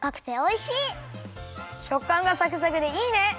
しょっかんがサクサクでいいね！